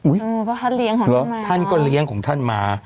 อุ้ยเพราะท่านเลี้ยงของท่านมาท่านก็เลี้ยงของท่านมา